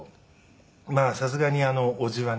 まあさすがに伯父はね。